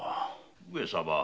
上様。